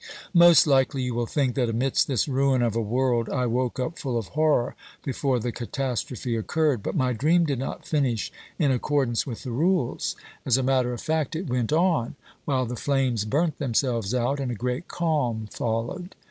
Most likely you will think that amidst this ruin of a world I woke up full of horror before the catastrophe occurred, but my dream did not finish in accordance with the rules. As a matter of fact it went on, while the flames burnt them selves out and a great calm followed.